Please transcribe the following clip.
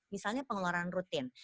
misalnya pengeluaran rutin